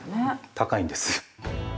◆高いんです。